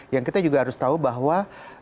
yang kita juga harus tahu bahwa